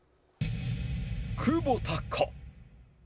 久保田か？